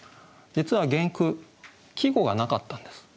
実は原句季語がなかったんです。